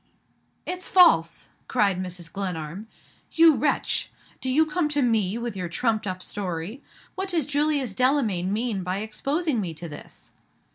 "It's false!" cried Mrs. Glenarm. "You wretch! Do you come to me with your trumped up story? What does Julius Delamayn mean by exposing me to this?"